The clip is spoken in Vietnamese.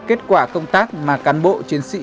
kết quả công tác mà cán bộ chiến sĩ